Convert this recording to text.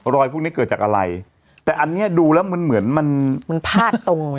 พวกนี้เกิดจากอะไรแต่อันเนี้ยดูแล้วมันเหมือนมันมันพาดตรง